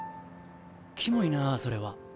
キモいなそれは。